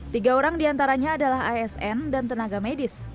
tiga orang diantaranya adalah asn dan tenaga medis